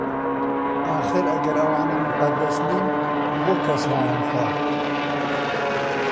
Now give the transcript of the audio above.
ئاخر ئەگەر ئەوانە موقەدەس نین بۆ کەس نایانخوا؟